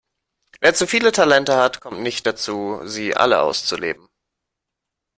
Wer zu viele Talente hat, kommt nicht dazu, sie alle auszuleben.